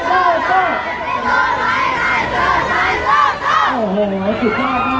ขอบคุณมากนะคะแล้วก็แถวนี้ยังมีชาติของ